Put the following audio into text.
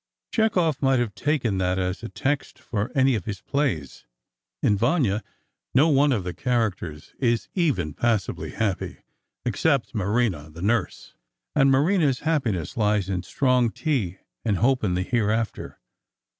Chekhov might have taken that as a text for any of his plays. In "Vanya," no one of the characters is even passably happy, except Marina, the nurse, and Marina's happiness lies in strong tea and hope in the hereafter.